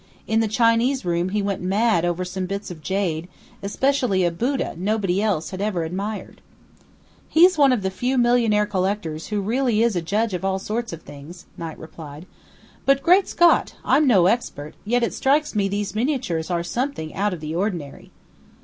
In the Chinese room he went mad over some bits of jade, especially a Buddha nobody else had ever admired." "He's one of the few millionaire collectors who is really a judge of all sorts of things," Knight replied. "But, great Scott! I'm no expert, yet it strikes me these miniatures are something out of the ordinary!"